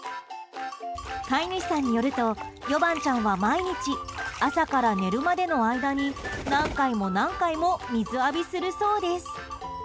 飼い主さんによるとヨバンちゃんは毎日朝から寝るまでの間に何回も何回も水浴びするそうです。